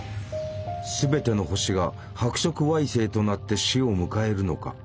全ての星が白色矮星となって死を迎えるのか？